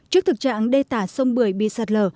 trước thực trạng đê tả sông bưởi bị sạt lở